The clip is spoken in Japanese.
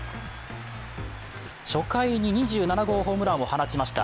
初回に２５号ホームランを放ちました。